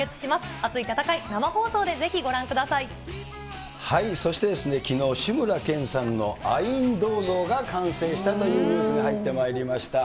熱い戦い、生放送でぜひご覧くだそしてきのう、志村けんさんのアイーン銅像が完成したというニュースが入ってまいりました。